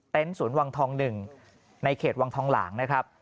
เต็นต์ศูนย์วางทอง๑ในเขตวางทองหลังนะครับ